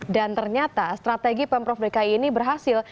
dan ternyata strategi pemprov dki ini berhasil